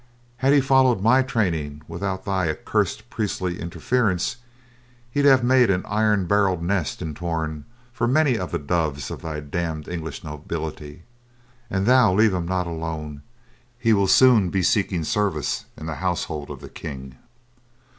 Had he followed my training, without thy accurst priestly interference, he had made an iron barred nest in Torn for many of the doves of thy damned English nobility. An' thou leave him not alone, he will soon be seeking service in the household of the King."